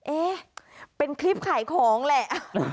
เอ๊ะเป็นคลิปขายของแหละ